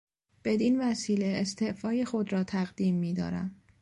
بدینوسیله استعفای خود را تقدیم میدارم.